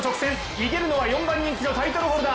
逃げるのは４番人気のタイトルホルダー。